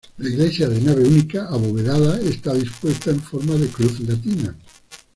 La iglesia de nave única abovedada está dispuesta en forma de cruz latina.